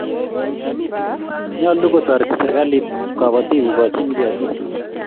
nyalun kotareti serekalit kabatik kokajin ketik